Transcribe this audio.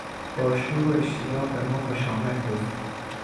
با شور و اشتیاق به ما خوشامد گفت.